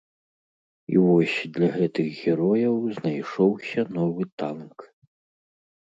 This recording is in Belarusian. І вось для гэтых герояў знайшоўся новы танк.